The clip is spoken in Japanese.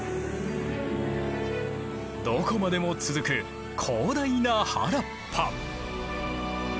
どこまでも続く広大な原っぱ。